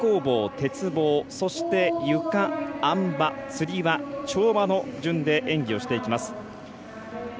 鉄棒そしてゆか、あん馬、つり輪跳馬の順番で演技をしていきます。